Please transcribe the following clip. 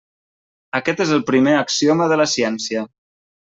Aquest és el primer axioma de la ciència.